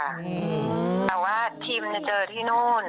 แต่ว่าทำดหน้าเติมไปที่นู่น